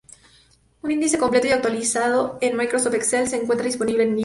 Un índice completo y actualizado en Microsoft Excel se encuentra disponible en línea.